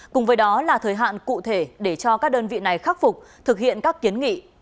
cùng với đó là thời hạn cụ thể để cho các đơn vị này khắc phục thực hiện các kiến nghị